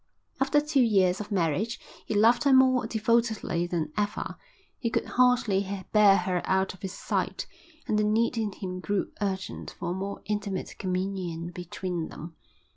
After two years of marriage he loved her more devotedly than ever, he could hardly bear her out of his sight, and the need in him grew urgent for a more intimate communion between them.